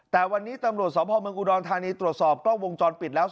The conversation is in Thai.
แต่วันนี้ตำรวจสพเมืองอุดรธานีตรวจสอบกล้องวงจรปิดแล้ว